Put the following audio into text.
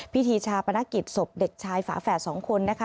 พิธีชาปนกิจศพเด็กชายฝาแฝดสองคนนะคะ